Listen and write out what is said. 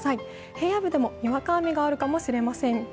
平野部でもにわか雨があるかもしれません。